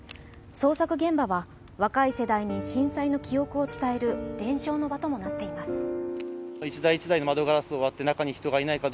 捜索現場は若い世代に震災の記憶を伝える伝承の場ともなっています。